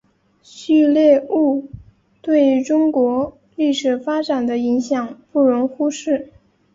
旭烈兀对中国历史发展的影响不容忽视。